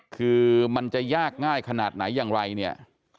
คือมันจะยากง่ายขนาดไหนอย่างไรเนี่ย